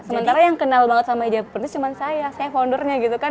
sementara yang kenal banget sama meja ponse cuma saya saya foundernya gitu kan